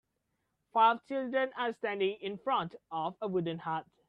Five children are standing in front of a wooden hut.